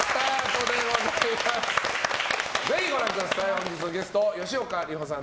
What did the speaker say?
本日のゲスト吉岡里帆さん